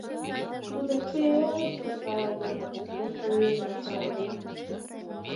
Тудо пе-э-ш осал айдеме, госпойин началнык.